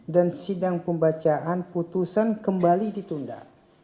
sidang pembacaan putusan kembali ditunda